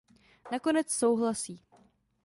Nakonec souhlasí.